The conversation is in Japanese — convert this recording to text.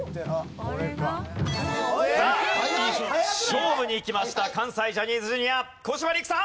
さあ勝負にいきました関西ジャニーズＪｒ．小柴陸さん。